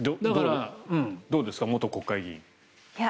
どうですか元国会議員。